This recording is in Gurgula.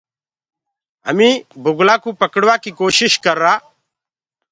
همي بُگلآ ڪوُ پڙوآ ڪيٚ ڪوشش ڪرآ۔